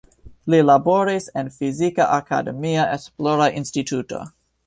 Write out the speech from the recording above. Li laboris en fizika akademia esplora instituto.